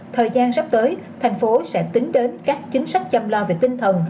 thời gian sắp tới thành phố sẽ tính đến các chính sách chăm lo về tinh thần